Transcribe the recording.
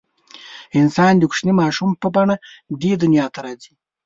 انسان د کوچني ماشوم په بڼه دې دنیا ته راځي.